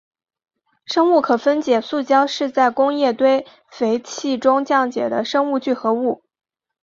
生物可分解塑胶是在工业堆肥器中降解的生物聚合物。